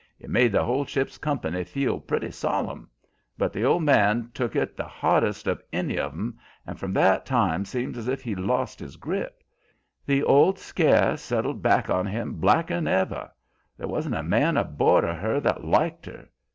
It made the whole ship's company feel pretty solemn, but the old man took it the hardest of any of 'em, and from that time seems as if he lost his grip; the old scare settled back on him blacker 'n ever. There wan't a man aboard of her that liked her.